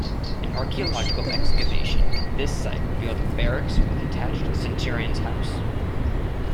An archaeological excavation at this site revealed a barracks with attached centurion's house.